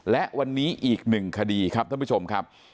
และวันนี้อีกหนึ่งคดีครับท่านผู้ชมครับ